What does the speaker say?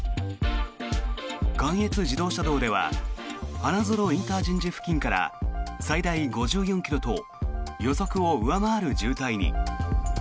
関越自動車道では花園ＩＣ付近から最大５４ｋｍと予測を上回る渋滞に。